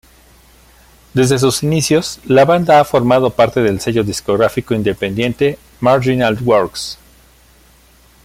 Desde sus inicios, la banda ha formado parte del sello discográfico independiente "Marginal Works".